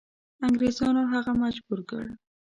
انګریزانو هغه مجبور کړ.